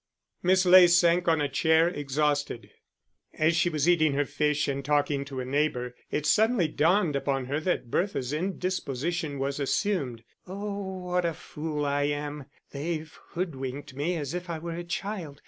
Miss Ley sank on a chair, exhausted. As she was eating her fish and talking to a neighbour, it suddenly dawned upon her that Bertha's indisposition was assumed. "Oh, what a fool I am! They've hoodwinked me as if I were a child....